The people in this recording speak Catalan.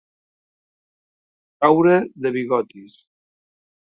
Caure de bigotis.